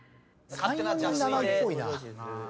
３４人７位っぽいな。